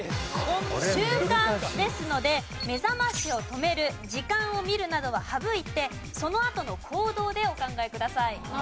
習慣ですので目覚ましを止める時間を見るなどは省いてそのあとの行動でお考えください。